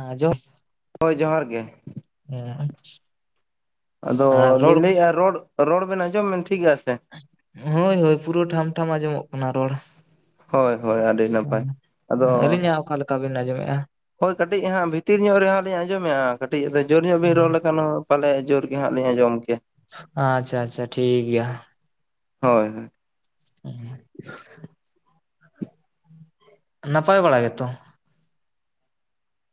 ᱟᱡᱚᱵ ᱦᱳᱭ ᱡᱚᱸᱦᱟᱨ ᱜᱮ ᱾ [unintelligible] ᱟᱫᱚ ᱨᱚᱲ ᱞᱤᱧ ᱞᱟᱹᱭ ᱮᱻ ᱨᱚᱲ ᱨᱚᱲ ᱵᱮᱱ ᱟᱸᱡᱚᱢ ᱢᱮᱱ ᱴᱷᱤᱠ ᱜᱮᱭᱟ ᱥᱮ? ᱦᱳᱭ ᱦᱳᱭ ᱯᱩᱨᱟᱹ ᱴᱷᱟᱢ ᱴᱷᱟᱢ ᱟᱸᱡᱚᱢᱚᱜ ᱠᱟᱱᱟ ᱨᱚᱲ᱾ ᱦᱳᱭ ᱦᱳᱭ ᱟᱹᱰᱤ ᱱᱟᱯᱟᱭ ᱟᱫᱚ ᱟᱹᱞᱤᱧᱟᱜ ᱚᱠᱟ ᱞᱮᱠᱟ ᱵᱤᱱ ᱟᱸᱡᱚᱢᱮᱫᱼᱟ ᱦᱳᱭ ᱠᱟᱹᱴᱤᱡ ᱦᱟᱸᱜ ᱵᱷᱤᱛᱤᱨ ᱧᱚᱜ ᱨᱮᱦᱚᱸ ᱞᱤᱧ ᱟᱸᱡᱚᱢᱮ-ᱟ, ᱠᱟᱹᱴᱤᱡ ᱡᱳᱨ ᱧᱚᱜ ᱵᱤᱱ ᱨᱚᱲ ᱞᱮᱠᱷᱟᱱ ᱦᱚᱸ ᱯᱟᱞᱮ ᱡᱳᱨ ᱜᱮ ᱦᱟᱸᱜ ᱞᱤᱧ ᱟᱸᱡᱚᱢᱚᱜ ᱠᱮᱭᱟ᱾ ᱟᱪᱪᱷᱟ ᱟᱪᱪᱷᱟ ᱴᱷᱤᱠ ᱜᱮᱭᱟ ᱾ ᱦᱳᱭ ᱦᱳᱭ ᱾ [unintelligible] ᱱᱟᱯᱟᱭ ᱵᱟᱲᱟ ᱜᱮ ᱛᱚ?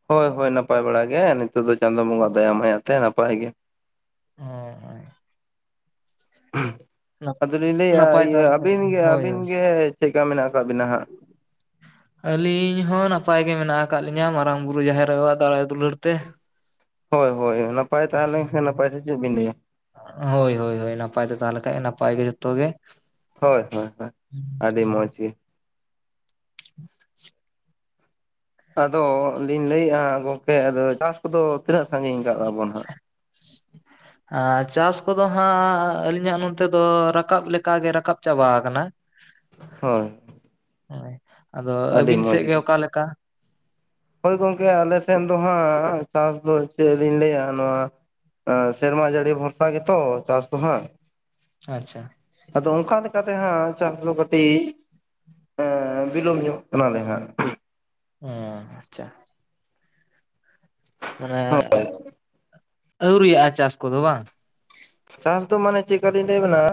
ᱦᱳᱭ, ᱦᱳᱭ, ᱱᱟᱯᱟᱭ ᱵᱟᱲᱟ ᱜᱮ ᱱᱤᱛᱚᱜ ᱫᱚ ᱪᱟᱸᱫᱚ ᱵᱚᱸᱜᱟ ᱫᱟᱭᱟ ᱢᱟᱭᱟ ᱛᱮ ᱱᱟᱯᱟᱭ ᱜᱮ᱾ ᱦᱮᱸ, ᱦᱮᱸ᱾ ᱟᱫᱚ ᱞᱤᱧ ᱞᱟᱹᱭᱟ ᱱᱟᱯᱟᱭ ᱤᱭᱟᱹ ᱛᱟᱦᱚᱞᱮ ᱠᱷᱟᱡ ᱟᱹᱵᱤᱱ ᱜᱮ, ᱦᱳᱭ ᱟᱹᱵᱤᱱ ᱦᱳᱭ ᱜᱮ᱾ ᱪᱮᱜ ᱠᱟ ᱢᱮᱱᱟᱜ ᱟᱠᱟᱜ ᱵᱤᱱᱟ ᱦᱟᱸᱜ? [inaudible] ᱟᱹᱞᱤᱧ ᱦᱚᱸ ᱱᱟᱯᱟᱭ ᱜᱮ ᱢᱮᱱᱟᱜ ᱟᱠᱟᱜ ᱞᱤᱧᱟᱹ ᱢᱟᱨᱟᱝ ᱵᱩᱨᱩ ᱡᱟᱦᱮᱨ ᱟᱭᱳᱣᱟᱜ ᱫᱟᱲᱟᱭ ᱫᱩᱞᱟᱹᱲ ᱛᱮ᱾ ᱦᱳᱭ, ᱦᱳᱭ, ᱱᱟᱯᱟᱭ ᱛᱟᱦᱮᱸᱞᱮᱱ ᱠᱷᱟᱱ ᱱᱟᱯᱟᱭ ᱥᱮ ᱪᱮᱜ ᱵᱤᱱ ᱞᱟᱹᱭᱟ᱾ ᱦᱳᱭ, ᱦᱳᱭ, ᱦᱳᱭ, ᱱᱟᱯᱟᱭ ᱛᱮ ᱛᱟᱦᱮᱞᱮ ᱠᱷᱟᱡ ᱱᱟᱯᱟᱭ ᱜᱮ ᱡᱚᱛᱚ ᱜᱮ᱾ [unintelligible] ᱦᱮᱸ, ᱦᱮᱸ, ᱟᱹᱰᱤ ᱢᱚᱡᱽ ᱜᱮ᱾ ᱟᱫᱚ ᱞᱤᱧ ᱞᱟᱹᱭ ᱮᱼᱟ ᱦᱟ ᱜᱚᱝᱠᱮ ᱟᱫᱚ ᱪᱟᱥ ᱠᱚᱫᱚ ᱛᱤᱱᱟᱹᱜ ᱥᱟᱺᱜᱤᱧ ᱠᱟᱜᱼᱟ ᱵᱚᱱ ᱦᱟᱸᱜ? [inaudible] ᱦᱟᱸ ᱪᱟᱥ ᱠᱚᱫᱚ ᱦᱟᱸᱜ ᱟᱹᱞᱤᱧᱟᱜ ᱱᱚᱱᱛᱮ ᱫᱚ ᱨᱟᱠᱟᱵ ᱞᱮᱠᱟ ᱜᱮ ᱨᱟᱠᱟᱵ ᱪᱟᱵᱟ ᱟᱠᱟᱱᱟ᱾ [inaudible] ᱦᱳᱭ᱾ ᱮᱸ ᱟᱫᱚ ᱟᱹᱰᱤ ᱟᱹᱵᱤᱱ ᱢᱚᱡᱽ ᱥᱮᱜ ᱜᱮ ᱚᱠᱟ ᱞᱮᱠᱟ? ᱦᱳᱭ ᱜᱚᱢᱠᱮ ᱟᱞᱮ ᱥᱮᱱ ᱫᱚ ᱦᱟᱸᱜ ᱪᱟᱥ ᱫᱚ ᱪᱮᱜ ᱞᱤᱧ ᱞᱟᱹᱭᱟ ᱱᱚᱣᱟ ᱟᱸ ᱥᱮᱨᱢᱟ ᱡᱟᱹᱲᱤ ᱵᱷᱚᱨᱥᱟ ᱜᱮᱛᱚ ᱪᱟᱥ ᱫᱚ ᱦᱟᱸᱜ᱾ ᱟᱪᱪᱷᱟ᱾ ᱟᱫᱚ ᱚᱱᱠᱟ ᱞᱮᱠᱟ ᱛᱮ ᱦᱟᱸᱜ ᱪᱟᱥ ᱫᱚ ᱠᱟᱹᱴᱤᱡ ᱮᱸ ᱵᱤᱞᱚᱢ ᱧᱚᱜ ᱠᱟᱱᱟ ᱞᱮ ᱦᱟᱸᱜ ᱦᱮᱸ ᱟᱪᱟ᱾ ᱢᱟᱱᱮ ᱟᱹᱣᱨᱤᱭᱟᱜᱼᱟ ᱪᱟᱥ ᱠᱚᱫᱚ ᱵᱟᱝ᱾ ᱪᱟᱥ ᱫᱚ ᱢᱟᱱᱮ ᱪᱮᱜ ᱠᱟᱞᱤᱧ ᱞᱟᱹᱭ ᱟᱵᱮᱱᱟ᱾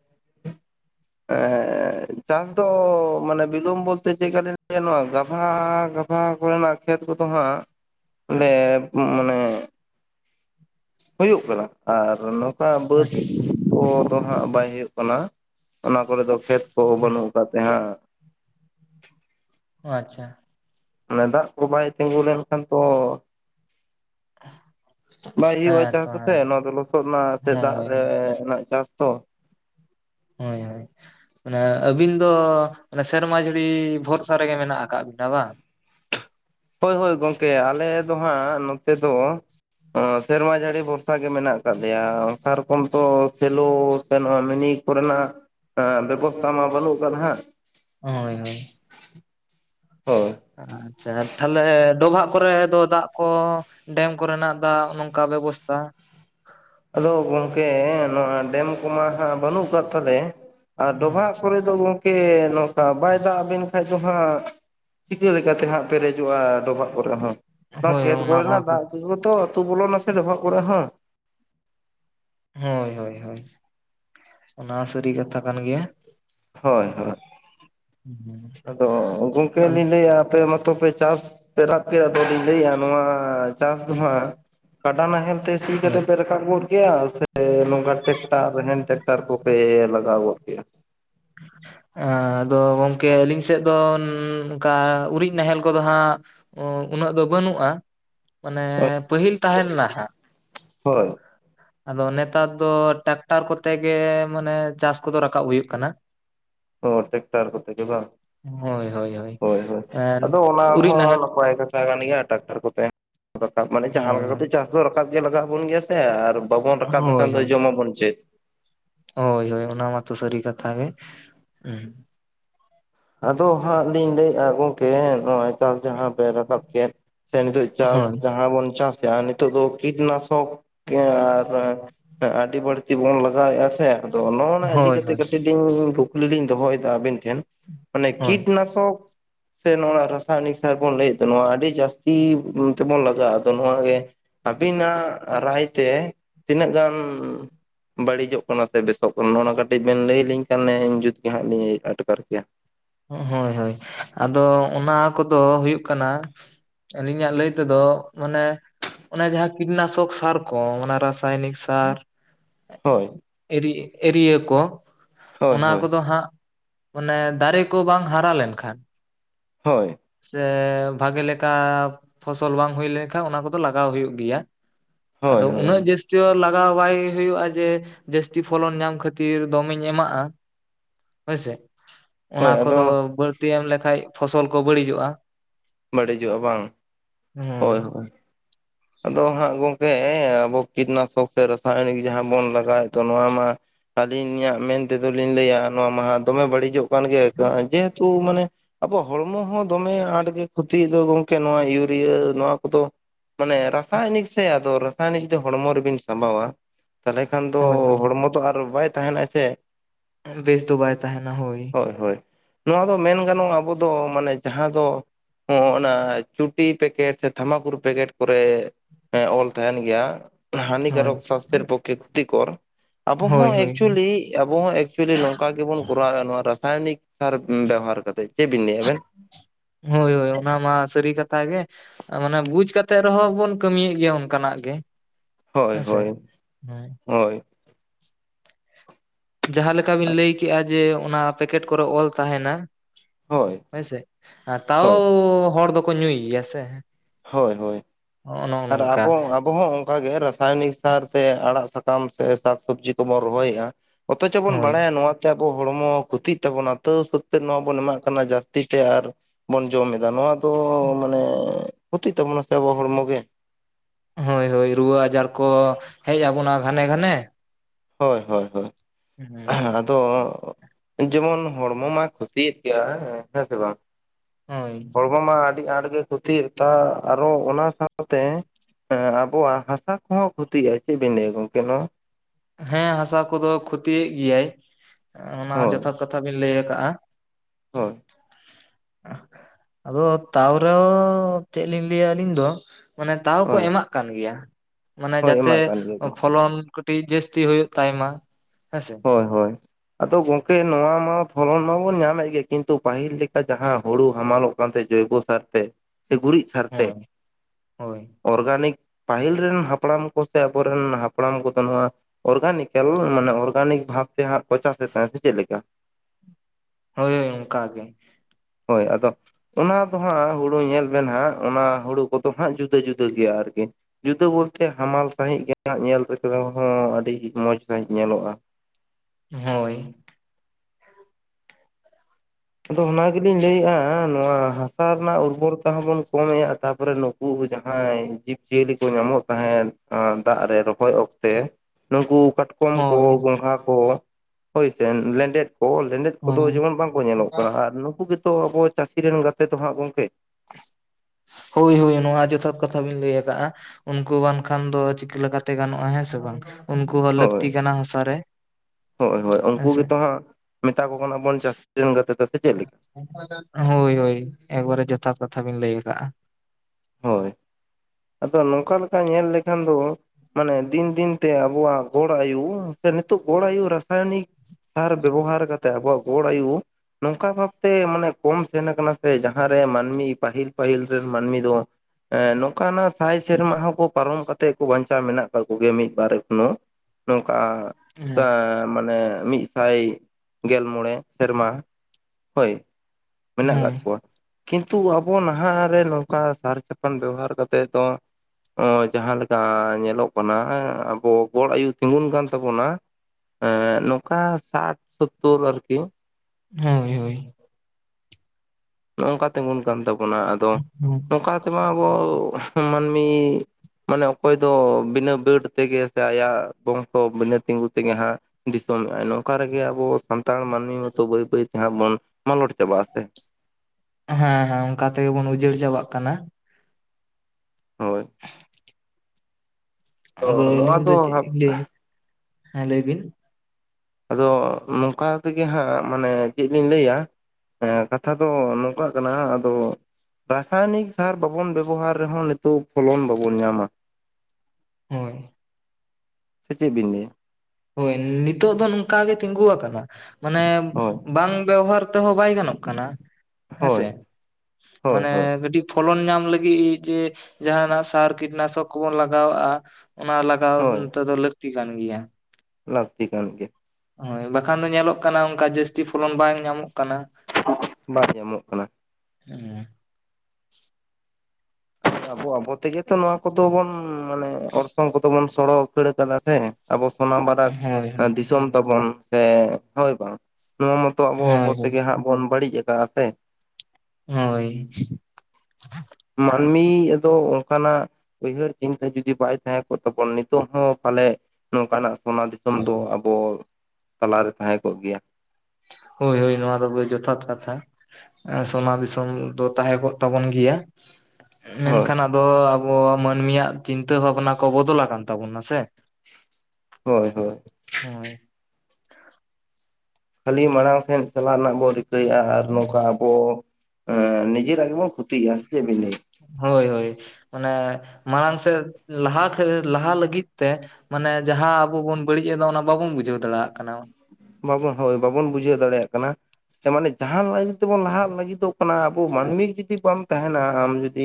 [inaudible] ᱮᱸᱻ ᱪᱟᱥ ᱫᱚ ᱢᱟᱱᱮ ᱵᱤᱞᱚᱢ ᱵᱚᱞᱛᱮ ᱪᱮᱜ ᱠᱟᱞᱤᱝ ᱞᱟᱹᱭᱼᱟ ᱱᱚᱣᱟ ᱜᱟᱵᱷᱟ ᱜᱟ ᱵᱷᱟ ᱠᱚᱨᱮᱱᱟᱜ ᱠᱷᱮᱛ ᱠᱚᱫᱚ ᱦᱟᱸᱜ [unintelligible] ᱢᱟᱱᱮ ᱦᱳᱭᱩᱜ ᱠᱟᱱᱟ, ᱟᱨ ᱱᱚ ᱠᱟ ᱵᱟᱹᱫᱽ ᱟᱪᱪᱷᱟ ᱠᱚ ᱫᱚ ᱦᱟᱸᱜ ᱵᱟᱭ ᱦᱩᱭᱩᱜ ᱠᱟᱱᱟ ᱚᱱᱟ ᱠᱚᱨᱮ ᱫᱚ ᱠᱷᱮᱛ ᱠᱚ ᱵᱟᱹᱱᱩᱜ ᱠᱚᱯᱮ ᱦᱟᱸᱜ ᱟᱪᱪᱷᱟ᱾ ᱚᱱᱮ ᱫᱟᱜ ᱠᱚ ᱵᱟᱭ ᱛᱤᱸᱜᱩ ᱞᱮᱱᱠᱷᱟᱱ ᱛᱚ᱾ ᱵᱟᱭ ᱦᱩᱭᱩᱜᱼᱟ ᱦᱮᱸ ᱪᱟᱥ ᱛᱚ ᱫᱚᱥᱮ ᱦᱮᱸ ᱱᱚᱣᱟ ᱫᱚ ᱞᱚᱥᱚᱫ ᱨᱮᱱᱟᱜ ᱥᱮ ᱫᱟᱜ ᱦᱳᱭ ᱨᱮᱻ ᱱᱟᱜ ᱪᱟᱥ ᱛᱚ᱾ ᱦᱳᱭ, ᱦᱳᱭ᱾ ᱢᱟᱱᱮ ᱟᱹᱵᱤᱱ ᱫᱚ ᱚᱱᱮ ᱥᱮᱨᱢᱟ ᱡᱟᱹᱲᱤ ᱵᱷᱚᱨᱥᱟ ᱨᱮᱜᱮ ᱢᱮᱱᱟᱜ ᱟᱠᱟᱜ ᱵᱤᱱᱟ ᱵᱟᱝ᱾ ᱦᱳᱭ ᱦᱳᱭ ᱜᱚᱝᱠᱮ ᱟᱞᱮ ᱫᱚ ᱦᱟᱸᱜ ᱱᱚᱛᱮ ᱫᱚ ᱚ ᱥᱮᱨᱢᱟ ᱡᱟᱹᱲᱤ ᱵᱷᱚᱨᱥᱟ ᱜᱮ ᱢᱮᱱᱟᱜ ᱟᱠᱟᱜ ᱫᱮᱭᱟ ᱥᱮ ᱨᱚᱠᱚᱢ ᱛᱚ ᱥᱮᱞᱳ ᱥᱮ ᱱᱚᱣᱟ ᱢᱤᱱᱤ ᱠᱚᱨᱮᱱᱟᱜ ᱮᱸ ᱵᱮᱵᱚᱥᱛᱟ ᱢᱟ ᱵᱟᱹᱱᱩᱜ ᱠᱟᱫ ᱦᱟᱸᱜ᱾ ᱦᱳᱭ, ᱦᱳᱭ᱾ ᱦᱳᱭ᱾ ᱟᱪᱪᱷᱟ ᱴᱷᱟᱞᱮ ᱰᱚᱵᱷᱟᱜ ᱠᱚᱨᱮ ᱫᱚ ᱫᱟᱜ ᱠᱚ ᱰᱮᱢ ᱠᱚᱨᱮᱱᱟᱜ ᱫᱟᱜ ᱱᱚᱝᱠᱟ ᱵᱮᱵᱚᱥᱛᱟ ᱟᱫᱚ ᱜᱚᱝᱠᱮ ᱱᱚᱣᱟ ᱰᱮᱢ ᱠᱚᱢᱟ ᱦᱟᱸᱜ ᱵᱟᱹᱱᱩᱜ ᱠᱟᱫ ᱛᱟᱞᱮ᱾ ᱟ ᱰᱚᱵᱷᱟᱜ ᱟᱪᱪᱷᱟ ᱠᱚᱨᱮ ᱫᱚ ᱜᱚᱝᱠᱮ ᱱᱚᱝᱠᱟ ᱵᱟᱭ ᱫᱟᱜ ᱟᱵᱤᱱ ᱠᱷᱟᱱᱡ ᱰᱚ ᱵᱷᱟᱜ ᱪᱤᱠᱟᱹ ᱞᱮᱠᱟᱛᱮ ᱦᱟᱸᱜ ᱯᱮᱨᱮᱡᱚᱜᱼᱟ ᱰᱚᱵᱷᱟᱜ ᱠᱚᱨᱮ ᱦᱚᱸ᱾ ᱵᱟ ᱦᱳᱭ ᱠᱷᱮᱛ ᱚᱱᱟ ᱠᱚᱨᱮ ᱢᱟ ᱱᱟᱜ ᱫᱟᱜ ᱠᱩᱜᱮ ᱛᱚ ᱟᱹᱛᱩ ᱵᱚᱞᱚᱱᱟ ᱥᱮ ᱰᱚᱵᱷᱟᱜ ᱠᱚᱨᱮ ᱦᱚᱸ᱾ ᱦᱳᱭ, ᱦᱳᱭ, ᱦᱳᱭ, ᱚᱱᱟ ᱥᱟᱹᱨᱤ ᱠᱟᱛᱷᱟ ᱠᱟᱱ ᱜᱮᱭᱟ᱾ ᱦᱳᱭ, ᱦᱳᱭ᱾ ᱟᱫᱚ ᱜᱚᱝᱠᱮ ᱞᱤᱧ ᱞᱟᱹᱭᱮᱜᱼᱟ ᱟᱯᱮ ᱢᱟᱛᱚ ᱯᱮ ᱪᱟᱥ ᱛᱚᱨᱟ ᱠᱮᱜ ᱟᱫᱚ ᱞᱤᱧ ᱞᱟᱹᱭᱟ ᱱᱚᱣᱟ ᱪᱟᱥ ᱫᱚ ᱦᱟᱸᱜ ᱠᱟᱰᱟ ᱱᱟᱦᱮᱞ ᱛᱮ ᱥᱤ ᱦᱳᱭ ᱠᱟᱛᱮ ᱯᱮ ᱜᱚᱫ ᱠᱮᱭᱟ ᱥᱮ ᱱᱚᱝᱠᱟ ᱴᱮᱠᱴᱟᱨ ᱦᱮᱱ ᱴᱮᱠᱴᱟᱨ ᱠᱚᱯᱮ ᱞᱟᱜᱟᱣ ᱜᱚᱫ ᱠᱮᱜᱟ ᱚ ᱟᱫᱚ ᱜᱚᱝᱠᱮ ᱟᱹᱞᱤᱧ ᱥᱮᱫ ᱫᱚ ᱚᱱᱠᱟ ᱩᱨᱤᱡ ᱱᱟᱦᱮᱞ ᱠᱚᱫᱚ ᱦᱟᱸᱜ ᱩᱱᱟᱹᱜ ᱫᱚ ᱵᱟᱹᱱᱩᱜᱼᱟ, ᱢᱟᱱᱮ ᱯᱟᱹᱦᱤᱞ ᱛᱟᱦᱮᱸ ᱞᱮᱱᱟ ᱦᱟᱸᱜ ᱦᱳᱭ ᱟᱫᱚ ᱱᱮᱛᱟᱨ ᱫᱚ ᱴᱟᱠᱴᱟᱨ ᱠᱚᱛᱮ ᱜᱮ ᱢᱟᱱᱮ ᱪᱟᱥ ᱠᱚᱫᱚ ᱨᱟᱠᱟᱵ ᱦᱩᱭᱩᱜ ᱠᱟᱱᱟ ᱚ ᱴᱮᱠᱴᱟᱨ ᱠᱚᱛᱮ ᱜᱮ ᱵᱟᱝ᱾ ᱦᱳᱭ ᱦᱳᱭ ᱦᱳᱭ ᱦᱳᱭ ᱦᱳᱭ ᱟᱫᱚ ᱚᱱᱟ ᱩᱨᱤᱡ ᱦᱚᱸ ᱱᱟᱦᱮᱞ ᱱᱟᱯᱟᱭ ᱠᱟᱛᱷᱟ ᱠᱟᱱ ᱜᱮᱭᱟ ᱴᱟᱠᱴᱟᱨ ᱠᱚᱛᱮ ᱨᱟᱠᱟᱵ ᱢᱟᱱᱮ ᱡᱟᱦᱟᱸ ᱦᱳᱭ ᱞᱮᱠᱟ ᱠᱟᱛᱮ ᱪᱟᱥ ᱫᱚ ᱨᱟᱠᱟᱵ ᱜᱮ ᱞᱟᱜᱟᱣ ᱵᱚᱱ ᱜᱮᱭᱟ ᱥᱮ, ᱟᱨ ᱵᱟᱵᱚᱱ ᱨᱟᱠᱟᱵ ᱦᱳᱭ ᱞᱮᱠᱷᱟᱱ ᱫᱚ ᱦᱳᱭ ᱡᱚᱢ ᱟᱵᱚᱱ ᱪᱮᱫ ᱦᱳᱭ ᱦᱳᱭ ᱚᱱᱟ ᱢᱟᱛᱚ ᱥᱟᱹᱨᱤ ᱠᱟᱛᱷᱟ ᱜᱮ ᱟᱫᱚ ᱦᱟᱸᱜ ᱞᱤᱧ ᱞᱟᱹᱭᱮᱜᱼᱟ ᱜᱚᱝᱠᱮ ᱱᱚᱜᱼᱚᱭ᱾ ᱪᱟᱥ ᱡᱟᱦᱟᱸ ᱯᱮ ᱨᱟᱠᱟᱵ ᱠᱮᱫ ᱥᱮ ᱱᱤᱛᱚᱜ ᱪᱟᱥ ᱦᱳᱭ ᱡᱟᱦᱟᱸ ᱵᱚᱱ ᱪᱟᱥ ᱡᱟᱦᱟᱸ ᱱᱤᱛᱚᱜ ᱫᱚ ᱠᱤᱴᱱᱟᱥᱚᱠ [inaudible] ᱦᱮ ᱟᱹᱰᱤ ᱵᱟᱹᱲᱛᱤ ᱵᱚᱱ ᱞᱟᱜᱟᱣᱮᱜᱼᱟ ᱥᱮ ᱟᱫᱚ ᱱᱚᱜᱚᱱᱟ ᱱᱚᱣᱟ ᱤᱫᱤ ᱦᱳᱭ ᱠᱟᱛᱮ ᱦᱳᱭ ᱠᱟᱹᱴᱤᱡ᱾ ᱟᱹᱞᱤᱧ ᱠᱩᱠᱞᱤ ᱞᱤᱧ ᱫᱚᱦᱚᱭᱫᱟ ᱟᱵᱮᱱ ᱴᱷᱮᱱ? ᱢᱟᱱᱮ ᱦᱳᱭ ᱠᱤᱴᱱᱟᱥᱚᱠ ᱥᱮ ᱱᱚᱣᱟ ᱨᱟᱥᱟᱭᱚᱱᱤᱠ ᱥᱟᱨ ᱵᱚᱱ ᱞᱟᱹᱭᱮᱫ ᱫᱚ ᱱᱚᱣᱟ ᱟᱹᱰᱤ ᱡᱟᱹᱥ ᱛᱤ ᱛᱮᱵᱚᱱ ᱞᱟᱜᱟᱣᱼᱟ ᱟᱫᱚ ᱱᱚᱣᱟᱜᱮ ᱟᱵᱤᱱᱟᱜ ᱨᱟᱭᱛᱮ ᱛᱤᱱᱟᱹᱜ ᱜᱟᱱ ᱵᱟᱹᱲᱤᱡᱚᱜ ᱠᱟᱱᱟ ᱥᱮ ᱵᱮᱥᱚᱜ ᱠᱟᱱᱟ ᱱᱚᱜᱱᱟ ᱠᱟᱹᱴᱤᱡ ᱵᱮᱱ ᱞᱟᱹᱭᱟᱞᱤᱧ ᱠᱷᱟᱱ ᱡᱩᱛᱜᱮ ᱦᱟᱸᱜ ᱞᱤᱧ ᱟᱴᱠᱟᱨ᱾ [unintelligible] ᱦᱳᱭ ᱦᱳᱭ ᱟᱫᱚ ᱚᱱᱟ ᱠᱚᱫᱚ ᱦᱩᱭᱩᱜ ᱠᱟᱱᱟ᱾ ᱟᱹᱞᱤᱧᱟᱜ ᱞᱟᱹᱭ ᱛᱮᱫᱚ ᱢᱟᱱᱮ ᱚᱱᱮ ᱡᱟᱦᱟᱸ ᱠᱤᱴᱱᱟᱥᱚᱠ ᱥᱟᱨ ᱠᱚ ᱚᱱᱟ ᱨᱟᱥᱟᱭᱚᱱᱤᱠ ᱥᱟᱨ᱾ ᱦᱳᱭ ᱮᱨᱤ ᱮᱨᱤᱭᱟᱹ ᱠᱚ ᱦᱳᱭ ᱚᱱᱟ ᱦᱳᱭ ᱠᱚᱫᱚ ᱦᱟᱸᱜ ᱢᱟᱱᱮ ᱫᱟᱨᱮ ᱠᱚ ᱵᱟᱝ ᱦᱟᱨᱟ ᱞᱮᱱᱠᱷᱟᱱ᱾ ᱦᱳᱭ ᱥᱮ ᱵᱷᱟᱜᱮ ᱞᱮᱠᱟ ᱯᱷᱚᱥᱚᱞ ᱵᱟᱝ ᱦᱳᱭ ᱞᱮᱱᱠᱷᱟᱱ ᱚᱱᱟ ᱠᱚᱫᱚ ᱞᱟᱜᱟᱣ ᱦᱳᱭᱳᱜ ᱜᱮᱭᱟ᱾ ᱦᱳᱭ ᱟᱫᱚ ᱩᱱᱟᱹᱜ ᱦᱳᱭ ᱡᱟᱹᱥ ᱪᱚ ᱞᱟᱜᱟᱣ ᱵᱟᱭ ᱦᱩᱭᱩᱜᱼᱟ ᱡᱮ ᱡᱟᱹᱥᱛᱤ ᱯᱷᱚᱞᱚᱱ ᱧᱟᱢ ᱠᱷᱟᱹᱛᱤᱨ ᱫᱚᱢᱮᱧ ᱮᱢᱟᱜᱼᱟ ᱦᱳᱭᱥᱮ ᱚᱱᱟ ᱦᱳᱭ ᱠᱚᱫᱚ ᱟᱫᱚ ᱵᱟᱹᱲᱛᱤ ᱮᱢ ᱞᱮᱠᱷᱟᱡ ᱯᱷᱚᱥᱚᱞ ᱠᱚ ᱵᱟᱹᱲᱤᱡᱚᱜᱼᱟ᱾ ᱵᱟᱹᱲᱤᱡᱚᱜᱼᱟ ᱵᱟᱝ ᱦᱳᱭ ᱦᱳᱭ ᱟᱫᱚ ᱦᱟᱸᱜ ᱜᱚᱝᱠᱮ ᱟᱵᱚ ᱠᱤᱴᱱᱟᱥᱚᱠ ᱥᱮ ᱨᱟᱥᱟᱭᱚᱱᱤᱠ ᱡᱟᱦᱟᱸ ᱵᱚᱱ ᱞᱟᱜᱟᱣᱮᱫ ᱫᱚ ᱱᱚᱣᱟ ᱢᱟ᱾ ᱟᱹᱞᱤᱧᱟᱜ ᱢᱮᱱᱛᱮᱫᱚᱞᱤᱧ ᱞᱟᱹᱭᱟ ᱱᱚᱣᱟ ᱢᱟᱦᱟᱜ ᱫᱚᱢᱮ ᱵᱟᱹᱲᱤᱡᱚᱜ ᱠᱟᱱ ᱜᱮ ᱡᱮᱦᱮᱛᱩ ᱢᱟᱱᱮ ᱟᱵᱚᱣᱟᱜ ᱦᱚᱲᱢᱚ ᱦᱚᱸ ᱫᱚᱢᱮ ᱟᱸᱴ ᱜᱮ᱾ ᱠᱷᱚᱛᱤᱮᱫ ᱫᱚ ᱜᱚᱝᱠᱮ ᱱᱚᱣᱟ ᱤᱭᱩᱨᱤᱭᱟᱹ ᱱᱚᱣᱟ ᱠᱚᱫᱚ᱾ ᱢᱟᱱᱮ ᱨᱟᱥᱟᱭᱚᱱᱤᱠ ᱥᱮ ᱟᱫᱚ ᱨᱟᱥᱟᱭᱚᱱᱤᱠ ᱡᱩᱫᱤ ᱦᱚᱲᱢᱚ ᱨᱮᱵᱤᱱ ᱥᱟᱵᱟᱣᱟ᱾ ᱛᱟᱦᱞᱮ ᱠᱷᱟᱱ ᱫᱚ ᱦᱳᱭ ᱦᱳᱭ ᱦᱚᱲᱢᱚ ᱫᱚ ᱟᱨ ᱵᱟᱭ ᱛᱟᱦᱮᱱᱟ ᱥᱮ ᱵᱮᱥ ᱫᱚ ᱵᱟᱭ ᱛᱟᱦᱮᱱᱟ ᱦᱳᱭ᱾ ᱦᱳᱭ ᱦᱳᱭ ᱱᱚᱣᱟ ᱫᱚ ᱢᱮᱱ ᱜᱟᱱᱚᱜᱼᱟ ᱟᱵᱚ ᱫᱚ ᱢᱟᱱᱮ ᱡᱟᱦᱟᱸ ᱫᱚ᱾ ᱦᱚᱸ ᱚᱱᱟ ᱪᱩᱴᱤ ᱯᱮᱠᱮᱴ ᱥᱮ ᱛᱷᱟᱢᱟᱠᱩᱨ ᱯᱮᱠᱮᱴ ᱠᱚᱨᱮ᱾ ᱦᱮᱸ ᱚᱞ ᱛᱟᱦᱮᱱ ᱜᱮᱭᱟ ᱦᱳᱭ ᱦᱟᱱᱤᱠᱟᱨᱚᱠ ᱥᱟᱥᱛᱷᱮᱨ ᱯᱚᱠᱠᱷᱮ ᱠᱷᱚᱛᱤᱠᱚᱨ᱾ ᱟᱵᱚᱦᱚᱸ ᱦᱳᱭ ᱦᱳᱭ ᱮᱠᱪᱩᱭᱮᱞᱤ ᱟᱵᱚᱦᱚᱸ ᱮᱠᱪᱩᱭᱮᱞᱤ ᱱᱚᱝᱠᱟ ᱜᱮᱵᱚᱱ, ᱠᱚᱨᱟᱣᱮᱜᱼᱟ ᱱᱚᱣᱟ ᱨᱟᱥᱟᱭᱚᱱᱤᱠ ᱥᱟᱨ ᱵᱮᱣᱦᱟᱨ ᱠᱟᱛᱮ ᱪᱮᱫ ᱵᱤᱱ ᱞᱟᱹᱭᱟ ᱟᱵᱤᱱ᱾ ᱦᱳᱭ ᱦᱳᱭ ᱚᱱᱟ ᱢᱟ ᱥᱟᱹᱨᱤ ᱠᱟᱛᱷᱟ ᱜᱮ᱾ ᱢᱟᱱᱮ ᱵᱩᱡ ᱠᱟᱛᱮᱜ ᱨᱮᱦᱚᱸ, ᱵᱚᱱ ᱠᱟᱹᱢᱤᱭᱮᱜ ᱜᱮᱭᱟ ᱚᱱᱠᱟᱱᱟᱜ ᱜᱮ ᱦᱳᱭ ᱦᱮᱸᱥᱮ ᱦᱳᱭ ᱦᱮᱸ ᱦᱳᱭ ᱡᱟᱦᱟ ᱞᱮᱠᱟ ᱵᱤᱱ ᱞᱟᱹᱭᱠᱮᱜᱼᱟ ᱡᱮ, ᱚᱱᱟ ᱯᱮᱠᱮᱴ ᱠᱚᱨᱮ ᱚᱞ ᱛᱟᱦᱮᱱᱟ ᱦᱳᱭ ᱦᱳᱭᱥᱮ ᱛᱟᱣ ᱦᱳᱭ ᱦᱚᱲ ᱫᱚᱠᱚ ᱧᱩᱭ ᱜᱮᱭᱟ ᱥᱮ ᱦᱳᱭ ᱦᱳᱭ ᱱᱚᱜᱼᱚ ᱱᱚᱜᱼᱚ ᱟᱨ ᱱᱚᱝᱠᱟ ᱟᱵᱚ [unintelligible] ᱟᱵᱚ ᱦᱚᱸ ᱚᱱᱠᱟ ᱜᱮ ᱨᱟᱥᱟᱭᱚᱱᱤᱠ ᱥᱟᱨ ᱛᱮ ᱟᱲᱟᱜ ᱥᱟᱠᱟᱢ ᱥᱮ ᱥᱟᱠᱥᱚᱵᱽᱡᱤ ᱠᱚᱵᱚᱱ ᱨᱚᱦᱚᱭᱮᱜᱼᱟ᱾ ᱚᱛᱷᱚᱪᱚ ᱵᱚᱱ ᱦᱳᱭ ᱵᱟᱲᱟᱭᱟ ᱱᱚᱣᱟ ᱟᱵᱚ ᱦᱚᱲᱢᱚ ᱠᱷᱚᱛᱤᱜ ᱛᱟᱵᱚᱱᱟ ᱛᱟᱹᱣ ᱥᱚᱛᱛᱮ ᱱᱚᱣᱟ ᱵᱚᱱ ᱮᱢᱟᱜ ᱠᱟᱱᱟ ᱡᱟᱹᱥᱛᱤ ᱛᱮ ᱟᱨ ᱵᱚᱱ ᱡᱚᱢᱮᱫᱟ ᱱᱚᱣᱟ ᱫᱚ ᱢᱟᱱᱮ ᱠᱷᱚᱛᱤᱜ ᱛᱟᱵᱚᱱᱟ ᱥᱮ ᱟᱵᱚ ᱦᱚᱲᱢᱚ ᱜᱮ᱾ ᱦᱳᱭ ᱦᱳᱭ ᱨᱩᱣᱟᱹ ᱟᱡᱟᱨ ᱠᱚ ᱦᱮᱡ ᱟᱵᱚᱱᱟ ᱜᱷᱟᱱᱮ ᱜᱷᱟᱱᱮ ᱦᱳᱭ ᱦᱳᱭ ᱦᱳᱭ ᱦᱮᱸ ᱟᱫᱚ ᱡᱮᱢᱚᱱ ᱦᱚᱲᱢᱚ ᱢᱟ ᱠᱷᱚᱛᱤᱭᱮᱫ ᱜᱮᱭᱟ ᱦᱮᱸ ᱥᱮ ᱵᱟᱝ ᱦᱳᱭ ᱦᱚᱲᱢᱚ ᱢᱟ ᱟᱹᱰᱤ ᱟᱸᱴ ᱜᱮ ᱠᱷᱚᱛᱤᱭᱮᱫ ᱛᱚ ᱟᱨᱚ ᱚᱱᱟ ᱥᱟᱶᱛᱮ ᱦᱮᱸ ᱟᱵᱚᱣᱟᱜ ᱦᱟᱥᱟ ᱠᱚᱦᱚᱸ ᱠᱷᱚᱛᱤᱮᱜᱼᱟ ᱪᱮᱫ ᱵᱤᱱ ᱞᱟᱹᱭᱟ ᱜᱚᱝᱠᱮ ᱱᱚᱣᱟ? ᱦᱮᱸ ᱦᱟᱥᱟ ᱠᱚᱫᱚ ᱠᱷᱚᱛᱤᱭᱮᱫ ᱜᱮᱭᱟᱭ ᱚᱱᱟ ᱦᱳᱭ ᱡᱚᱛᱷᱟᱛ ᱠᱟᱛᱷᱟ ᱵᱤᱱ ᱞᱟᱹᱭ ᱟᱠᱟᱜᱼᱟ᱾ ᱦᱳᱭ ᱟᱫᱚ ᱛᱟᱣᱨᱮᱦᱚ ᱪᱮᱫ ᱞᱤᱧ ᱞᱟᱹᱭᱟ ᱟᱹᱞᱤᱧ ᱫᱚ ᱢᱟᱱᱮ ᱛᱟᱣ ᱠᱚ ᱦᱳᱭ ᱮᱢᱟᱜ ᱠᱟᱱ ᱜᱮᱭᱟ ᱢᱟᱱᱮ ᱦᱳᱭ ᱡᱟᱛᱮ ᱮᱢᱟᱜ ᱠᱟᱱ ᱜᱮᱭᱟ ᱠᱚ ᱯᱷᱚᱞᱚᱱ ᱠᱟᱹᱴᱤᱡ ᱡᱟᱹᱥᱛᱤ ᱦᱳᱭᱳᱜ ᱛᱟᱭᱢᱟ ᱦᱮᱸᱥᱮ ᱦᱳᱭ ᱦᱳᱭ ᱟᱫᱚ ᱜᱚᱝᱠᱮ ᱱᱚᱣᱟ ᱢᱟ ᱯᱷᱚᱞᱚᱱ ᱢᱟᱵᱚᱱ ᱧᱟᱢᱮᱜ ᱜᱮ ᱠᱤᱱᱛᱩ ᱯᱟᱹᱦᱤᱞ ᱞᱮᱠᱟ ᱡᱟᱦᱟᱸ ᱦᱩᱲᱩ ᱦᱟᱢᱟᱞᱚᱜ ᱠᱟᱱᱛᱮ ᱡᱳᱭᱵᱚ ᱥᱟᱨᱛᱮ ᱥᱮ ᱜᱩᱨᱤᱡ ᱥᱟᱨᱛᱮ ᱦᱳᱭ ᱦᱳᱭ ᱚᱨᱜᱟᱱᱤᱠ ᱯᱟᱹᱦᱤᱞ ᱨᱮᱱ ᱦᱟᱯᱲᱟᱢ ᱠᱚ ᱥᱮ ᱟᱵᱚᱨᱮᱱ ᱦᱟᱯᱲᱟᱢ ᱠᱚᱫᱚ ᱱᱚᱣᱟ ᱚᱨᱜᱟᱱᱤᱠᱮᱞ ᱢᱟᱱᱮ ᱚᱨ ᱜᱟᱱᱤᱠ ᱵᱷᱟᱵᱛᱮ ᱦᱟᱸᱜ ᱠᱚ ᱪᱟᱥᱮᱫ ᱛᱟᱦᱮ ᱥᱮ ᱪᱮᱫ ᱞᱮᱠᱟ᱾ ᱦᱳᱭ ᱦᱳᱭ ᱚᱱᱠᱟ ᱜᱮ ᱦᱳᱭ ᱟᱫᱚ ᱚᱱᱟ ᱫᱚ ᱦᱟᱸᱜ ᱦᱩᱲᱩ ᱧᱮᱞ ᱵᱮᱱ ᱦᱟᱸᱜ ᱚᱱᱟ ᱦᱩᱲᱩ ᱠᱚᱫᱚ ᱦᱟᱸᱜ ᱡᱩᱫᱟᱹ ᱡᱩᱫᱟᱹ ᱜᱮᱭᱟ ᱟᱨᱠᱤ᱾ ᱡᱩᱫᱟᱹ ᱵᱚᱞᱛᱮ ᱦᱟᱢᱟᱞ ᱥᱟᱹᱦᱤᱡ ᱜᱮ ᱧᱮᱞ ᱠᱚᱛᱮ ᱦᱚᱸ ᱟᱹᱰᱤ ᱢᱚᱸᱡᱽ ᱥᱟᱹᱦᱤᱡ ᱧᱮᱞᱚᱜᱼᱟ᱾ ᱦᱳᱭ ᱟᱫᱚ ᱚᱱᱟ ᱜᱮᱞᱤᱧ ᱞᱟᱹᱭᱮᱜᱼᱟ ᱱᱚᱣᱟ ᱦᱟᱥᱟ ᱨᱮᱱᱟᱜ ᱩᱨᱵᱚᱨᱚᱛᱟ ᱦᱚᱸᱵᱚᱱ ᱠᱚᱢᱮᱜᱼᱟ ᱛᱟᱯᱚᱨᱮ ᱱᱩ ᱩᱱᱠᱩ ᱡᱟᱦᱟᱸᱭ ᱡᱤᱵᱽ ᱡᱤᱭᱟᱹᱞᱤ ᱠᱚ ᱧᱟᱢᱚᱜ ᱛᱟᱦᱮᱸᱫ ᱫᱟᱜ ᱨᱮ ᱨᱚᱦᱚᱭ ᱚᱠ ᱛᱮ ᱱᱩᱠᱩ ᱠᱟᱴᱠᱚᱢ ᱠᱚ ᱦᱳᱭ ᱜᱚᱸᱜᱷᱟ ᱠᱚ ᱦᱳᱭᱥᱮ ᱞᱮᱸᱰᱮᱫ ᱠᱚ ᱞᱮᱸᱰᱮᱫ ᱦᱳᱭ ᱠᱚᱫᱚ ᱡᱮᱢᱚᱱ ᱵᱟᱝᱠᱚ ᱧᱮᱞᱚᱜ ᱠᱟᱱᱟ ᱟᱨ ᱱᱩᱠᱩ ᱜᱮᱛᱚ ᱟᱵᱚ ᱪᱟᱹᱥᱤ ᱨᱮᱱ ᱜᱟᱛᱮ ᱫᱚ ᱦᱟᱸᱜ ᱜᱚᱝᱠᱮ᱾ ᱦᱳᱭ ᱦᱳᱭ ᱱᱚᱣᱟ ᱡᱚᱛᱷᱟᱛ ᱠᱟᱛᱷᱟ ᱵᱤᱱ ᱞᱟᱹᱭ ᱟᱠᱟᱜᱼᱟ ᱾ ᱩᱱᱠᱩ ᱵᱟᱝᱠᱷᱟᱱ ᱫᱚ ᱪᱤᱠᱟᱹ ᱞᱮᱠᱟᱛᱮ ᱜᱟᱱᱚᱜᱼᱟ ᱦᱮᱸ ᱥᱮ ᱵᱟᱝ ᱩᱱᱠᱩ ᱦᱳᱭ ᱞᱟᱹᱠᱛᱤ ᱠᱟᱱᱟ ᱦᱟᱥᱟ ᱨᱮ ᱦᱳᱭ ᱦᱳᱭ ᱩᱱᱠᱩ ᱦᱮᱸᱥᱮ ᱜᱮᱛᱚ ᱦᱟᱸᱜ ᱢᱮᱛᱟ ᱠᱚ ᱠᱟᱱᱟᱵᱚᱱ ᱪᱟᱹᱥᱤ ᱨᱮᱱ ᱜᱟᱛᱮ ᱫᱚ ᱥᱮ ᱪᱮᱫ [unintelligible] ᱦᱳᱭ ᱦᱳᱭ ᱮᱠᱵᱟᱨᱮ ᱡᱚᱛᱷᱟᱛ ᱠᱟᱛᱷᱟ ᱵᱮᱱ ᱞᱟᱹᱭ ᱟᱠᱟᱜᱼᱟ᱾ ᱦᱳᱭ ᱟᱫᱚ ᱱᱚᱝᱠᱟ ᱞᱮᱠᱟ ᱧᱮᱞ ᱞᱮᱠᱷᱟᱱ ᱫᱚ᱾ ᱢᱟᱱᱮ ᱫᱤᱱ ᱫᱤᱱᱛᱮ ᱟᱵᱚᱣᱟᱜ ᱜᱚᱲ ᱟᱭᱩ ᱥᱮ ᱱᱤᱛᱚᱜ ᱜᱚᱲ ᱟᱭᱩ ᱨᱟᱥᱟᱭᱚᱱᱤᱠ ᱥᱟᱨ ᱵᱮᱵᱚᱦᱟᱨ ᱠᱟᱛᱮ ᱟᱵᱚᱣᱟᱜ ᱜᱚᱲ ᱟᱭᱩ ᱱᱚᱝᱠᱟ ᱵᱷᱟᱵᱛᱮ ᱢᱟᱱᱮ ᱠᱚᱢ ᱥᱮᱱ ᱟᱠᱟᱱᱟ ᱥᱮ ᱡᱟᱦᱟ ᱨᱮ ᱢᱟᱱᱢᱤ ᱯᱟᱦᱤᱞ ᱯᱟᱦᱤᱞ ᱨᱮᱱ ᱢᱟᱹᱱᱢᱤ ᱫᱚ ᱮᱸ ᱱᱚᱝᱠᱟᱱᱟᱜ ᱥᱟᱭ ᱥᱮᱨᱢᱟ ᱦᱚᱸᱠᱚ ᱯᱟᱨᱚᱢ ᱠᱟᱛᱮᱜ ᱠᱚ ᱵᱟᱧᱪᱟᱣ ᱢᱮᱱᱟᱜ ᱟᱠᱟᱫ ᱠᱚᱜᱮᱭᱟ ᱢᱤᱫ ᱵᱟᱨ ᱮᱠᱷᱚᱱᱳ ᱱᱚᱝᱠᱟ ᱦᱮᱸ [unintelligible] ᱢᱟᱱᱮ ᱢᱤᱫᱥᱟᱭ ᱜᱮᱞ ᱢᱚᱬᱮ ᱥᱮᱨᱢᱟ ᱦᱳᱭ ᱢᱮᱱᱟᱜ ᱠᱟᱜ ᱦᱮᱸ ᱠᱚᱣᱟ ᱠᱤᱱᱛᱩ ᱟᱵᱚ ᱱᱟᱦᱟᱸᱜ ᱨᱮ ᱱᱚᱝᱠᱟ ᱥᱟᱨ ᱥᱟᱠᱟᱢ ᱵᱮᱵᱚᱦᱟᱨ ᱠᱟᱛᱮ ᱫᱚ ᱡᱟᱦᱟᱸ ᱞᱮᱠᱟ ᱧᱮᱞᱚᱜ ᱠᱟᱱᱟ ᱟᱵᱚ ᱜᱚᱲ ᱟᱭᱩ ᱛᱤᱸᱜᱩᱱ ᱠᱟᱱ ᱛᱟᱵᱚᱱᱟ᱾ ᱮᱸ ᱱᱚᱝᱠᱟ ᱥᱟᱴ ᱥᱳᱛᱛᱳᱨ ᱟᱨᱠᱤ᱾ ᱦᱳᱭ ᱦᱳᱭ ᱱᱚᱜ ᱱᱚᱝᱠᱟ ᱛᱤᱸᱜᱩᱱ ᱠᱟᱱ ᱛᱟᱵᱚᱱᱟ ᱟᱫᱚ ᱦᱮᱸ ᱱᱚᱝᱠᱟ ᱛᱮᱢᱟ ᱟᱵᱚ ᱢᱟᱹᱱᱢᱤ ᱢᱟᱱᱮ ᱚᱠᱚᱭ ᱫᱚ ᱵᱤᱱᱟᱹ ᱵᱟᱹᱰ ᱛᱮᱜᱮ ᱥᱮ ᱟᱭᱟᱜ ᱵᱚᱝᱥᱚ ᱵᱤᱱᱟᱹ ᱛᱤᱸᱜᱩ ᱛᱮᱜᱮ ᱦᱟᱸᱜ᱾ ᱫᱤᱥᱚᱢᱮᱜ ᱟᱭ ᱱᱚᱝᱠᱟ ᱨᱮᱜᱮ ᱟᱵᱚ ᱥᱟᱱᱛᱟᱲ ᱢᱟᱹᱱᱢᱤ ᱢᱚᱛᱚ ᱵᱟᱹᱭ ᱵᱟᱹᱭ ᱛᱮᱟᱸ ᱵᱚᱱ ᱢᱟᱞᱚᱴ ᱪᱟᱵᱟᱜ ᱟᱥᱮ ᱦᱮᱸ ᱦᱮᱸ ᱚᱱᱠᱟ ᱛᱮᱜᱮ ᱵᱚᱱ ᱩᱡᱟᱹᱲ ᱪᱟᱵᱟᱜ ᱠᱟᱱᱟ᱾ ᱦᱳᱭ ᱛᱚ ᱟᱫᱚ ᱱᱚᱣᱟ ᱟᱹᱞᱤᱧ ᱫᱚ ᱪᱮᱫ ᱞᱤᱧ ᱞᱟᱹᱭ ᱦᱮᱸ ᱞᱟᱹᱭ ᱵᱤᱱ ᱟᱫᱚ ᱱᱚᱝᱠᱟ ᱛᱮᱜᱮ ᱦᱟᱸᱜ ᱢᱟᱱᱮ ᱪᱮᱫ ᱞᱤᱧ ᱞᱟᱹᱭᱟ ᱦᱮᱸ ᱠᱟᱛᱷᱟ ᱫᱚ ᱱᱚᱝᱠᱟᱜ ᱠᱟᱱᱟ ᱟᱫᱚ ᱨᱟᱥᱟᱭᱚᱱᱤᱠ ᱥᱟᱨ ᱵᱟᱵᱚᱱ ᱵᱮᱵᱚᱦᱟᱨ ᱨᱮᱦᱚᱸ ᱱᱤᱛᱚᱜ ᱯᱷᱚᱞᱚᱱ ᱵᱟᱵᱚᱱ ᱧᱟᱢᱟ ᱦᱳᱭ ᱥᱮᱪᱮᱫ ᱵᱤᱱ ᱞᱟᱹᱭᱟ ᱦᱳᱭ ᱱᱤᱛᱚᱜ ᱫᱚ ᱱᱚᱝᱠᱟ ᱜᱮ ᱛᱤᱸᱜᱩ ᱟᱠᱟᱱᱟ ᱢᱟᱱᱮ ᱦᱳᱭ ᱵᱟᱝ ᱵᱮᱣᱦᱟᱨ ᱛᱮᱦᱚᱸ ᱵᱟᱭ ᱜᱟᱱᱚᱜ ᱠᱟᱱᱟ ᱦᱳᱭ ᱦᱮᱸᱥᱮ ᱦᱳᱭ ᱢᱟᱱᱮ ᱦᱳᱭ ᱠᱟᱹᱴᱤᱡ ᱯᱷᱚᱞᱚᱱ ᱧᱟᱢ ᱞᱟᱹᱜᱤᱫ ᱡᱮ ᱡᱟᱦᱟᱱᱟᱼᱜ ᱥᱟᱨ ᱠᱤᱴᱱᱟᱥᱚᱠ ᱠᱚᱵᱚᱱ ᱞᱟᱜᱟᱣᱟᱜᱼᱟ ᱚᱱᱟ ᱞᱟᱜᱟᱣ ᱦᱳᱭ ᱱᱮᱛᱟᱨ ᱫᱚ ᱞᱟᱹᱠᱛᱤ ᱠᱟᱱ ᱜᱮᱭᱟ ᱞᱟᱹᱠᱛᱤ ᱠᱟᱱ ᱜᱮᱭᱟ ᱦᱳᱭ ᱵᱟᱠᱷᱟᱱ ᱫᱚ ᱧᱮᱞᱚᱜ ᱠᱟᱱᱟ ᱚᱱᱠᱟ ᱡᱟᱹᱥᱛᱤ ᱯᱷᱚᱞᱚᱱ ᱵᱟᱝ ᱧᱟᱢᱚᱼᱜ ᱠᱟᱱᱟ [unintelligible] ᱵᱟᱝ ᱧᱟᱢᱚᱜ ᱠᱟᱱᱟ [inaudible] ᱟᱵᱚ ᱟᱵᱚ ᱛᱮᱜᱮ ᱛᱚ ᱱᱚᱣᱟ ᱠᱚᱫᱚ ᱵᱚᱱ ᱢᱟᱱᱮ ᱚᱨᱬᱥᱚᱝ ᱠᱚᱫᱚ ᱵᱚᱱ ᱥᱚᱲᱚ ᱟᱹᱯᱚᱲ ᱠᱟᱫᱟ ᱥᱮ ᱟᱵᱚ ᱥᱳᱱᱟᱢᱟᱨᱟᱠ ᱦᱳᱭ ᱦᱳᱭ ᱫᱤᱥᱚᱢ ᱛᱟᱵᱚᱱ ᱥᱮ ᱦᱳᱭ ᱵᱟᱝ ᱱᱚᱣᱟ ᱢᱟ ᱛᱚ ᱟᱵᱚ ᱟᱵᱚ ᱦᱳᱭ ᱛᱮᱜᱮ ᱦᱟᱸᱜ ᱵᱚᱱ ᱵᱟᱹᱲᱤᱡ ᱟᱠᱫ ᱥᱮ ᱦᱳᱭ ᱢᱟᱹᱱᱢᱤ ᱟᱫᱚ ᱚᱱᱠᱟᱱᱟᱼᱜ ᱩᱭᱦᱟᱹᱨ ᱪᱤᱱᱛᱟᱹ ᱡᱩᱫᱤ ᱵᱟᱭ ᱛᱟᱦᱮᱸ ᱠᱚᱜ ᱛᱟᱵᱚᱱ ᱱᱤᱛᱚᱜ ᱦᱚᱸ ᱯᱟᱞᱮ ᱱᱚᱝᱠᱟᱱᱟᱼᱜ ᱥᱳᱱᱟ ᱫᱤᱥᱚᱢ ᱫᱚ ᱟᱵᱚ ᱛᱟᱞᱟᱨᱮ ᱛᱟᱦᱮᱸ ᱠᱚᱜ ᱜᱮᱭᱟ᱾ ᱦᱳᱭ ᱦᱳᱭ ᱱᱚᱣᱟ ᱫᱚ ᱡᱚᱛᱷᱟᱛ ᱠᱟᱛᱷᱟ ᱥᱳᱱᱟ ᱫᱤᱥᱚᱢ ᱫᱚ ᱛᱟᱦᱮᱸ ᱠᱚᱜ ᱛᱟᱵᱚᱱ ᱜᱮᱭᱟ ᱦᱳᱭ ᱢᱮᱱᱠᱷᱟᱱ ᱫᱚ ᱟᱵᱚᱣᱟᱜ ᱢᱟᱹᱱᱢᱤᱭᱟᱼᱜ ᱪᱤᱱᱛᱟᱹ ᱵᱷᱟᱵᱱᱟ ᱠᱚ ᱵᱚᱫᱚᱞ ᱟᱠᱟᱱ ᱛᱟᱵᱚ ᱱᱟ ᱥᱮ ᱦᱳᱭ ᱼ ᱦᱳᱭ ᱦᱳᱭ ᱠᱷᱟᱹᱞᱤ ᱢᱟᱲᱟᱝ ᱥᱮᱫ ᱪᱟᱞᱟᱜ ᱨᱮᱱᱟᱜ ᱵᱚ ᱨᱤᱠᱟᱹᱭᱼᱟ ᱟᱨ ᱱᱚᱝᱠᱟ ᱟᱵ ᱵᱚ ᱟᱨ ᱱᱤᱡᱮᱨᱟᱼᱜ ᱜᱮᱵᱩᱱ ᱠᱷᱩᱛᱤᱭᱮᱼᱟ ᱥᱮ ᱪᱮᱫ ᱵᱤᱱ ᱞᱟᱹᱭᱟ᱾ ᱦᱳᱭ ᱦᱳᱭ ᱢᱟᱱᱮ ᱢᱟᱲᱟᱝ ᱥᱮᱫ ᱞᱟᱦᱟ ᱛᱮ ᱞᱟᱦᱟ ᱞᱟᱹᱜᱤᱫ ᱛᱮ ᱢᱟᱱᱮ ᱡᱟᱦᱟᱸ ᱟᱵᱚ ᱵᱚᱱ ᱵᱟᱹᱲᱤᱡ ᱮᱫᱟ ᱚᱱᱟ ᱵᱟᱵᱚᱱ ᱵᱩᱡᱷᱟᱹᱣ ᱫᱟᱲᱮᱭᱟᱼᱜ ᱠᱟᱱᱟ᱾ ᱵᱟᱵᱚᱱ ᱦᱳᱭ ᱵᱟᱵᱚᱱ ᱵᱩᱡᱷᱟᱹᱣ ᱫᱟᱲᱮᱭᱟᱜ ᱠᱟᱱᱟ, ᱡᱮ ᱢᱟᱱᱮ ᱡᱟᱦᱟᱸ ᱞᱟᱹᱜᱤᱫ ᱛᱮᱵᱚᱱ ᱞᱟᱦᱟᱜ ᱞᱟᱹᱜᱤᱫᱚᱜ ᱠᱟᱱᱟ ᱢᱟᱱᱢᱤ ᱡᱩᱫᱤ ᱵᱟᱢ ᱛᱟᱦᱮᱱᱟ ᱟᱢ ᱡᱩᱫᱤ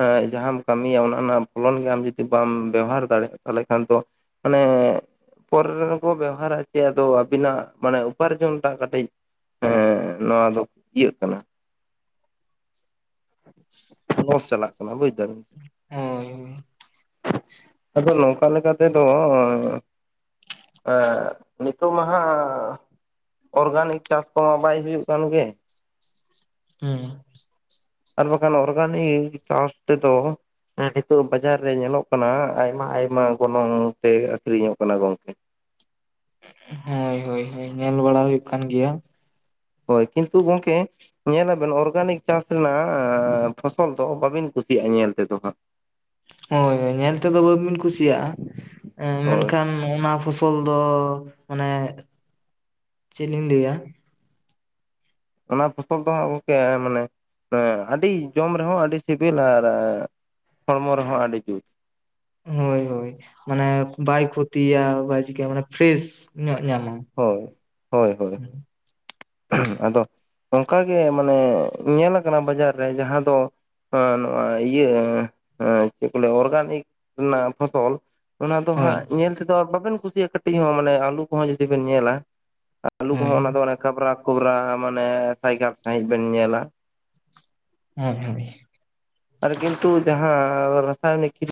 ᱮᱸᱻ ᱡᱟᱦᱟᱸᱢ ᱠᱟᱹᱢᱤᱭᱼᱟ ᱚᱱᱟ ᱨᱮᱱᱟᱜ ᱯᱷᱚᱞᱚᱱ ᱜᱮ ᱟᱢ ᱡᱩᱫᱤ ᱵᱟᱢ ᱵᱮᱣᱦᱟᱨ ᱫᱟᱲᱮᱭᱟᱜᱼᱟ ᱛᱟᱦᱚᱞᱮ ᱠᱷᱟᱱ ᱫᱚ ᱢᱟᱱᱮ ᱯᱚᱨᱮ ᱨᱮ ᱠᱚ ᱵᱮᱣᱦᱟᱨᱼᱟ ᱪᱮᱫ ᱟᱫᱚ ᱵᱤᱱᱟᱜ ᱢᱟᱱᱮ ᱩᱯᱟᱨᱡᱚᱱ ᱴᱟᱜ ᱠᱟᱹᱴᱤᱡ ᱮ ᱱᱚᱣᱟ ᱫᱚ ᱤᱭᱟᱹᱜ ᱠᱟᱱᱟ ᱞᱚᱥ ᱪᱟᱞᱟᱜ ᱠᱟᱱᱟ ᱵᱩᱡ ᱫᱟᱵᱤᱱ᱾ ᱦᱚᱭ ᱟᱫᱚ ᱱᱚᱝᱠᱟ ᱞᱮᱠᱟ ᱛᱮᱫᱚ ᱮᱸ ᱱᱤᱛᱚᱜ ᱢᱟᱦᱟᱜ ᱚᱨᱜᱟᱱᱤᱠ ᱪᱟᱥ ᱠᱚᱢᱟ ᱵᱟᱭ ᱦᱩᱭᱩᱜ ᱠᱟᱱ ᱜᱮ᱾ ᱦᱩ ᱸ ᱟᱨ ᱵᱟᱠᱷᱟᱱ ᱚᱨᱜᱟᱱᱤᱠ ᱪᱟᱥ ᱛᱮᱫᱚ [unintelligible] ᱵᱟᱡᱟᱨ ᱨᱮ ᱧᱮᱞᱚᱜ ᱠᱟᱱᱟ, ᱟᱭᱢᱟ ᱼ ᱟᱭᱢᱟ ᱜᱚᱱᱚᱝ ᱛᱮ ᱟᱠᱷᱨᱤᱧᱚᱼᱜ ᱠᱟᱱᱟ ᱜᱚᱝᱠᱮ ᱦᱳᱭ ᱼ ᱦᱳᱭ ᱼ ᱦᱳᱭ ᱧᱮᱞ ᱵᱟᱲᱟ ᱦᱩᱭᱩᱜ ᱠᱟᱱ ᱜᱮᱭᱟᱼᱼᱼ ᱦᱳᱭ ᱠᱤᱱᱛᱩ ᱜᱚᱢᱠᱮ? ᱧᱮᱞᱟᱵᱮᱱ ᱚᱨᱜᱟᱱᱤᱠ ᱪᱟᱥ ᱨᱮᱱᱟᱜ ᱟᱸᱻ ᱯᱷᱚᱥᱚᱞ ᱫᱚ ᱵᱟᱵᱤᱱ ᱠᱩᱥᱤᱭᱟᱜᱼᱟ ᱧᱮᱞ ᱛᱮᱫᱚ ᱦᱟᱸᱜ ᱦᱳᱭ ᱧᱮᱞ ᱛᱮᱫᱚ ᱵᱟᱹᱵᱤᱱ ᱠᱩᱥᱤᱭᱟᱜᱼᱟ ᱦᱳᱭ ᱢᱮᱱᱠᱷᱟᱱ ᱚᱱᱟ ᱯᱷᱚᱥᱚᱞ ᱫᱚ ᱢᱟᱱᱮ ᱪᱮᱫ ᱞᱤᱧ ᱞᱟᱹᱭᱟ ᱚᱱᱟ ᱯᱦᱚᱥᱚᱞ ᱫᱚ ᱦᱟᱸᱜ ᱜᱚᱝᱠᱮ ᱢᱟᱱᱮ ᱟᱹᱰᱤ ᱡᱚᱢ ᱨᱮᱦᱚᱸ ᱟᱹᱰᱤ ᱥᱤᱵᱤᱞ ᱟᱨ ᱦᱚᱲᱢᱚ ᱨᱮᱦᱚᱸ ᱟᱹᱰᱤ ᱡᱩᱛ ᱦᱳᱭ ᱦᱳᱭ ᱢᱟᱱᱮ ᱵᱟᱭ ᱠᱷᱚᱛᱤᱭᱟ ᱵᱟᱭ ᱪᱤᱠᱟᱹᱭᱟ ᱢᱟᱱᱮ ᱯᱷᱨᱮᱥ ᱧᱚᱜ ᱧᱟᱢᱟ᱾ ᱦᱳᱭ ᱦᱳᱭ ᱦᱳᱭ ᱟᱫᱚ ᱚᱱᱠᱟᱜᱮ ᱢᱟᱱᱮ ᱧᱮᱞ ᱟᱠᱟᱱᱟ ᱵᱟᱡᱟᱨ ᱨᱮ ᱡᱟᱦᱟᱸ ᱫᱚ ᱱᱚᱣᱟ ᱤᱭᱟᱹ ᱪᱮᱫ ᱠᱚ ᱞᱟᱹᱭᱟ ᱚᱨᱜᱟᱱᱤᱠ ᱨᱮᱱᱟᱜ ᱯᱷᱚᱥᱚᱞ ᱚᱱᱟ ᱫᱚ ᱦᱳᱭ ᱦᱟᱸᱜ ᱧᱮᱞ ᱛᱮᱫᱚ ᱵᱟᱵᱮᱱ ᱠᱩᱥᱤᱭᱟᱜᱼᱟ ᱠᱟᱹᱴᱤᱡ ᱦᱚᱸ ᱢᱟᱱᱮ ᱟᱹᱞᱩ ᱠᱚᱦᱚᱸ ᱡᱩᱫᱤ ᱵᱮᱱ ᱧᱮᱞᱟ᱾ [unintelligible] ᱟᱹᱞᱩ ᱠᱚᱦᱚᱸ ᱦᱳᱭ ᱚᱱᱟᱫᱚ ᱚᱱᱮ ᱠᱷᱟᱵᱽᱨᱟ ᱠᱷᱚᱵᱽᱨᱟ ᱢᱟᱱᱮ ᱥᱟᱭᱜᱟᱫ ᱥᱟᱺᱦᱤᱡ ᱵᱮᱱ ᱧᱮᱞᱟ᱾ [unintelligible] ᱟᱨ ᱠᱤᱱᱛᱩ ᱡᱟᱦᱟᱸ ᱨᱟᱥᱟᱭᱚᱱᱤᱠ [unintelligible]